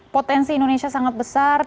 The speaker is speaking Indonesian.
potensi indonesia sangat besar